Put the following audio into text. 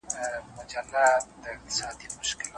پر اوږو د اوښكو ووته له ښاره